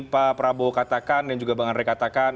pak prabowo katakan dan juga bang andre katakan